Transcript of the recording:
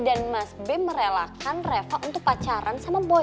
dan mas be merelakan reva untuk pacaran sama boy